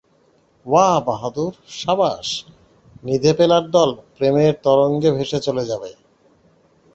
ওয়া বাহাদুর! সাবাস! নিধে পেলার দল প্রেমের তরঙ্গে ভেসে চলে যাবে।